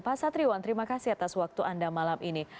pak satriwan terima kasih atas waktu anda malam ini